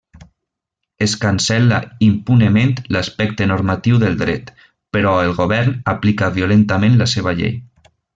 Es cancel·la impunement l’aspecte normatiu del dret, però el govern aplica violentament la seva llei.